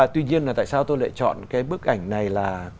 tuy nhiên là tại sao tôi lại chọn cái bức ảnh này là